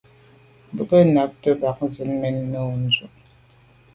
Bo nke ntagte mba zit mèn no ndù.